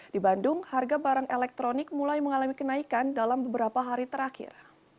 di bandung harga barang elektronik mulai mengalami kenaikan dalam beberapa hari terakhir